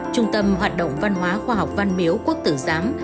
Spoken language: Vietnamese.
trung tâm hoạt động văn hóa khoa học văn miếu quốc tử giám